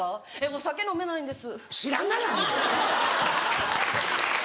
「お酒飲めないんです」。